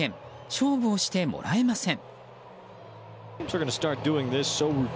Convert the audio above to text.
勝負をしてもらえません。